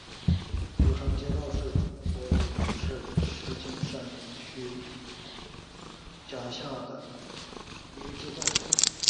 古城街道是中国北京市石景山区下辖的一个街道。